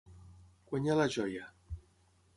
Guanyar la joia.